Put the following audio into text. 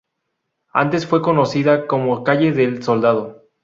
Antes fue conocida como calle del Soldado.